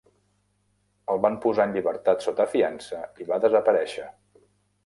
El van posar en llibertat sota fiança i va desaparèixer.